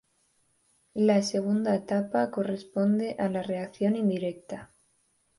La segunda etapa corresponde a la reacción indirecta.